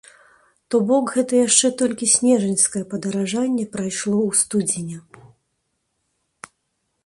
То бок гэта яшчэ толькі снежаньскае падаражанне прайшло ў студзені.